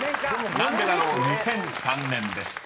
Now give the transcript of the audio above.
［「なんでだろう」２００３年です］